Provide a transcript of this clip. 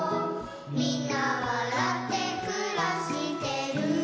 「みんなわらってくらしてる」